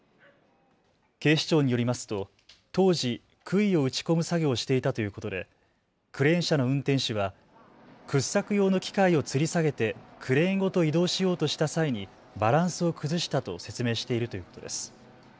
警視庁によりますと当時、くいを打ち込む作業をしていたということでクレーン車の運転手は掘削用の機械をつり下げてクレーンごと移動しようとした際にバランスを崩したと説明しているということです。